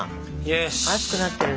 熱くなってる。